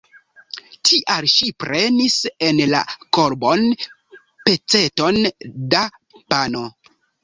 Tial ŝi prenis en la korbon peceton da pano.